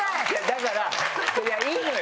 だからいやいいのよ！